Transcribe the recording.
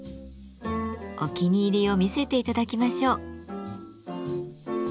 お気に入りを見せていただきましょう。